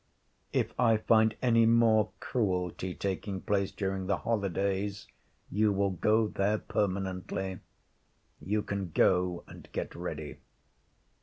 If I find any more cruelty taking place during the holidays you will go there permanently. You can go and get ready.'